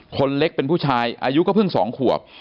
คนเล็กเป็นผู้ชายอายุก็เพิ่ง๒ขวบ